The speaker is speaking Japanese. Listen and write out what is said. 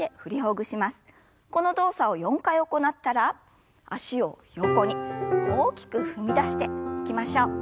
この動作を４回行ったら脚を横に大きく踏み出していきましょう。